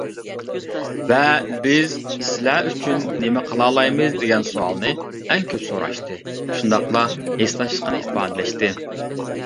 ۋە بىز سىلەر ئۈچۈن نېمە قىلالايمىز دېگەن سوئالنى ئەڭ كۆپ سوراشتى، شۇنداقلا ھېسداشلىقىنى ئىپادىلەشتى.